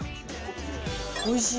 おいしい。